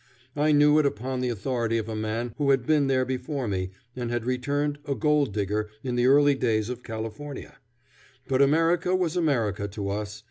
I knew it upon the authority of a man who had been there before me and had returned, a gold digger in the early days of California; but America was America to us.